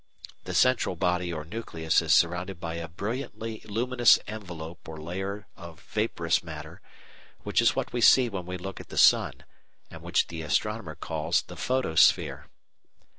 The central body or nucleus is surrounded by a brilliantly luminous envelope or layer of vaporous matter which is what we see when we look at the sun and which the astronomer calls the photosphere.